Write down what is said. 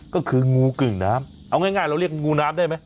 ก็คืองูกึ่งน้ำเอาง่ายเราเรียกงูน้ำได้ไหม